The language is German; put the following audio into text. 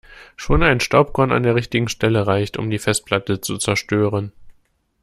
Schon ein Staubkorn an der richtigen Stelle reicht, um die Festplatte zu zerstören.